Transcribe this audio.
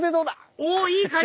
おっいい感じ！